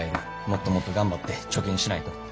もっともっと頑張って貯金しないと。